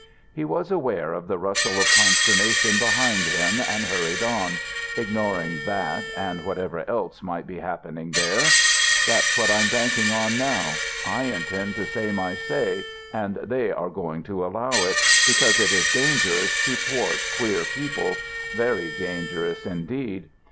He was aware of the rustle of consternation behind him and hurried on, ignoring that and whatever else might be happening there. "That's what I'm banking on now. I intend to say my say and they are going to allow it, because it is dangerous to thwart queer people very dangerous indeed.